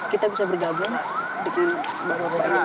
kita bisa bergabung bikin barang barang yang lebih kuat